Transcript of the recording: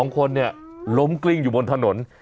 ๒คนเนี่ยล้มกลิ้งอยู่บนถนน